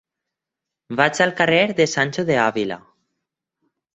Vaig al carrer de Sancho de Ávila.